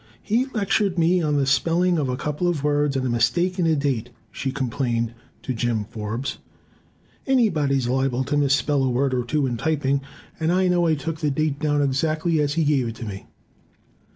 "He lectured me on the spelling of a couple of words and a mistake in a date," she complained to Jim Forbes. "Anybody's liable to misspell a word or two in typing, and I know I took the date down exactly as he gave it to me."